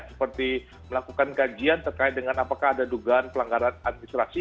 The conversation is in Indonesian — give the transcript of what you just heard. seperti melakukan kajian terkait dengan apakah ada dugaan pelanggaran administrasi